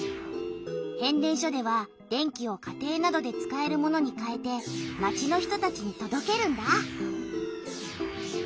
変電所では電気を家庭などで使えるものにかえて町の人たちにとどけるんだ。